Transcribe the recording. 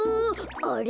あれ？